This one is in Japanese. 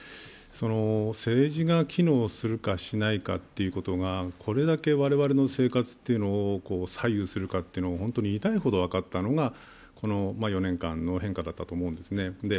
政治が機能するかしないかということがこれだけ我々の生活を左右するかというのが本当に痛いほど分かったのがこの４年間の変化だったと思うんですね。